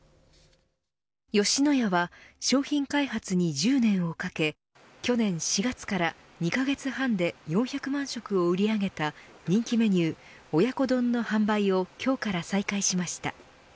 吉野家は商品開発に１０年をかけ去年４月から２カ月半で４００万食を売り上げた人気メニュー親子丼の販売を今日から再開しました。